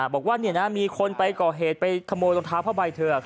บอกว่ามีคนไปก่อเหตุไปขโมยรองเท้าผ้าใบเธอ